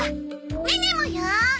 ネネもよ！